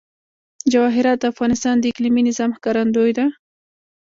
جواهرات د افغانستان د اقلیمي نظام ښکارندوی ده.